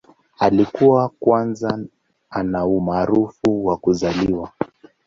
Alikuwa kwanza ana umaarufu wa kuzaliwa.